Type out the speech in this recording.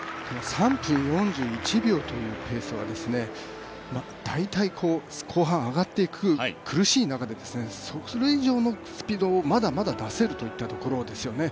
３分４１秒というペースは大体、後半、上がっていく苦しい中でそれ以上のスピードをまだまだ出せるといったところですね。